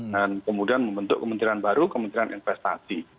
dan kemudian membentuk kementerian baru kementerian investasi